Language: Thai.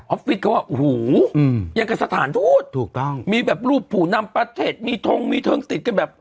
ฟิศเขาว่าโอ้โหยังกับสถานทูตถูกต้องมีแบบรูปผู้นำประเทศมีทงมีเทิงติดกันแบบ